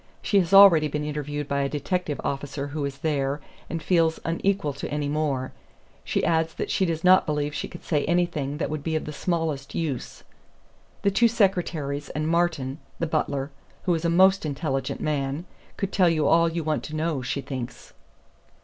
She has already been interviewed by a detective officer who is there, and feels unequal to any more. She adds that she does not believe she could say anything that would be of the smallest use. The two secretaries and Martin, the butler (who is a most intelligent man) could tell you all you want to know, she thinks."